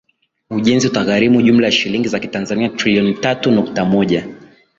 Ujenzi utagharimu jumla ya shilingi za kitanzania trilioni tatu nukta moja